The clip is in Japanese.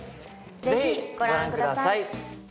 ぜひご覧ください